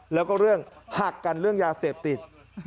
แล้วก็เรื่องหักกันเรื่องยาเสพติด